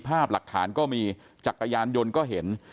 ภาพหลักฐานก็มีจักรยานยนต์ก็เห็น